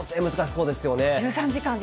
そうですね。